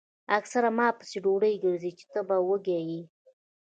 اکثر پۀ ما پسې ډوډۍ ګرځئ چې تۀ به وږے ئې ـ